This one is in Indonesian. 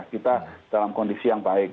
kita dalam kondisi yang baik